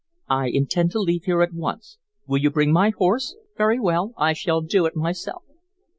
"I intend to leave here at once. Will you bring my horse? Very well, I shall do it myself."